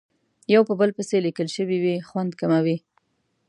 یو په بل پسې لیکل شوې وي خوند کموي.